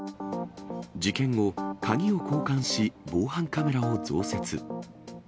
事件後、鍵を交換し、防犯カメラを増設。